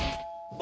あ！